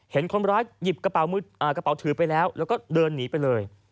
เห็นคนร้ายหยิบกระเป๋ามืออ่ากระเป๋าถือไปแล้วแล้วก็เดินหนีไปเลย